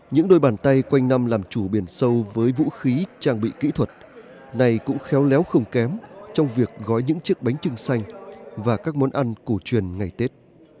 những đôi bàn tay quanh năm làm chủ biển sâu với vũ khí trang bị kỹ thuật này cũng khéo léo không kém trong việc gói những chiếc bánh trưng xanh và các món ăn cổ truyền ngày tết